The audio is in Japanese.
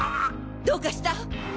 どうかした！？